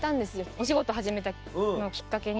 お仕事始めたのをきっかけに。